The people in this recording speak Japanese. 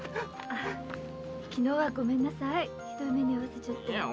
昨日はごめんなさいねひどい目に遭わせちゃって。